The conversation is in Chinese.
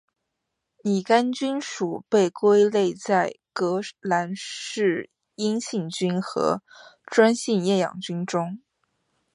拟杆菌属被归类在革兰氏阴性菌和专性厌氧菌中。